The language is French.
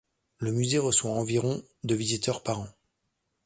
Le musée reçoit environ de visiteurs par an.